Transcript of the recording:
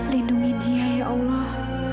lindungi dia ya allah